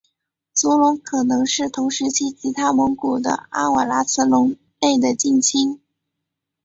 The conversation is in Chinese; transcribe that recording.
足龙可能是同时期其他蒙古的阿瓦拉慈龙类的近亲。